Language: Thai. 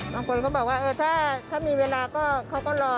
บางคนก็บอกว่าถ้ามีเวลาก็เขาก็รอ